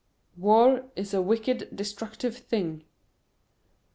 "War is a wickedly destructive thing."